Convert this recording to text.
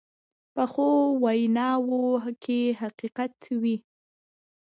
پخو ویناوو کې حقیقت وي